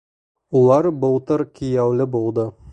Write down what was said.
Улар былтыр кейәүле булды.